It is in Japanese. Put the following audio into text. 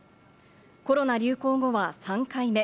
コロナ流行後は３回目。